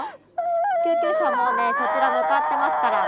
救急車もうねそちら向かってますから。